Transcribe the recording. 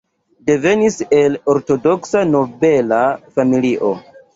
Devenis el ortodoksa nobela familio.